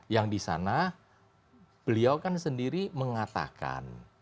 yang di sana beliau kan sendiri mengatakan